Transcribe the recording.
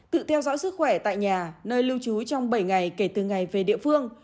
tự theo dõi sức khỏe tại nhà nơi lưu trú trong bảy ngày kể từ ngày về địa phương